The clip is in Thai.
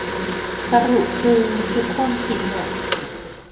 สรุปคือ ทุกคนผิดหมด